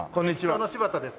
駅長の柴田です。